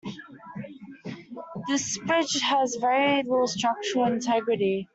This bridge has very little structural integrity.